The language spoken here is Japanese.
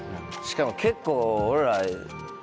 しかも結構俺ら。